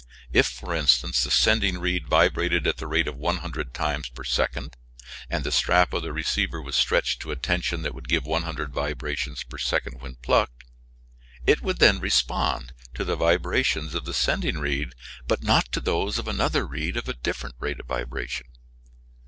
If, for instance, the sending reed vibrated at the rate of 100 times per second and the strap of the receiver was stretched to a tension that would give 100 vibrations per second when plucked, it would then respond to the vibrations of the sending reed but not to those of another reed of a different rate of vibration.